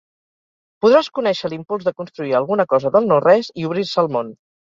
Podràs conèixer l'impuls de construir alguna cosa del no-res i obrir-se al món.